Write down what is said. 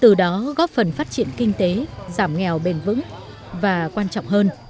từ đó góp phần phát triển kinh tế giảm nghèo bền vững và quan trọng hơn